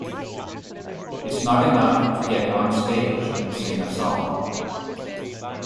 It's not enough to get on stage and sing a song.